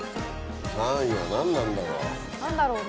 ３位は何なんだろう？